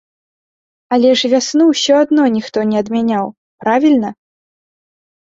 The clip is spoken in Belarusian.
Але ж вясну ўсё адно ніхто не адмяняў, правільна?